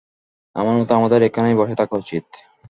আমার মতে আমাদের এখানেই বসে থাকা উচিত।